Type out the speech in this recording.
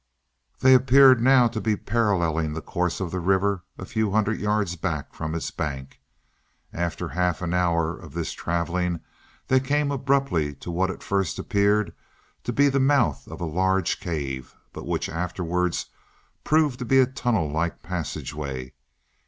They appeared now to be paralleling the course of the river a few hundred yards back from its bank. After half an hour of this traveling they came abruptly to what at first appeared to be the mouth of a large cave, but which afterwards proved to be a tunnel like passageway.